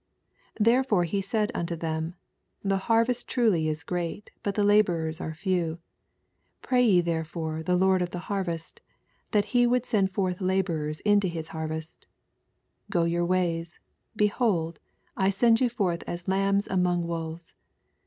2 Therefore siud he unto them. The harvest truly is great, but the labor ers are few: pray ye thorelbre the Lord of the harvest^ that he would send forth laborers mto his harvest. 8 Go your ways : behold, I send you forth as lambs among wolves.